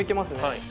はい。